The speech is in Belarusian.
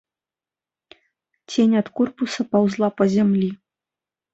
Цень ад корпуса паўзла па зямлі.